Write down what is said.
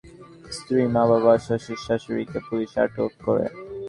মোবাশ্বের পলাতক থাকলেও তাঁর স্ত্রী, মা, বাবা, শ্বশুর-শাশুড়িকে পুলিশ আটক করে।